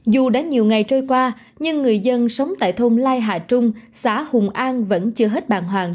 dù đã nhiều ngày trôi qua nhưng người dân sống tại thôn lai hà trung xã hùng an vẫn chưa hết bàng hoàng